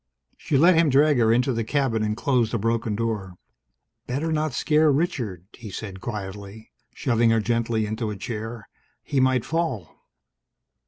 She let him drag her into the cabin and close the broken door. "Better not scare Richard," he said quietly, shoving her gently into a chair. "He might fall."